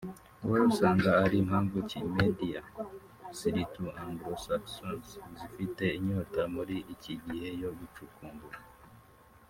wowe usanga ari mpamvu ki médias (surtout anglo-saxons) zifite inyota mur iki gihe yo gucukumbura